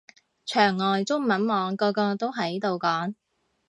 牆外中文網個個都喺度講